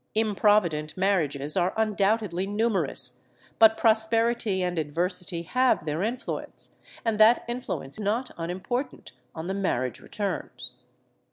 Improvident marriages are undoubtedly numerous, but prosperity and adversity have their influence, and that influence not unimportant, on the marriage returns.